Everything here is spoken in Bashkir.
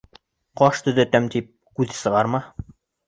Ҡаш төҙәтәм тип, күҙ сығарма.